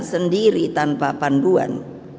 sendiri tanpa panduan